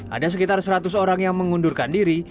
ada sekitar seratus orang yang mengundurkan diri